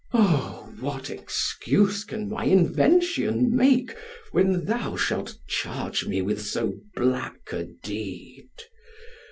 'O, what excuse can my invention make, When thou shalt charge me with so black a deed?